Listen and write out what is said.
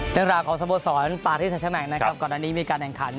เรื่องราวของสโมสรปาริสแมงนะครับก่อนอันนี้มีการแข่งขัน